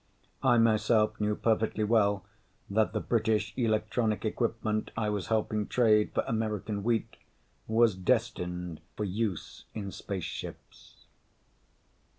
I myself knew perfectly well that the British electronic equipment I was helping trade for American wheat was destined for use in spaceships.